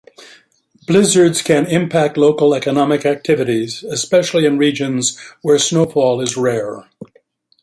Blizzards can impact local economic activities, especially in regions where snowfall is rare.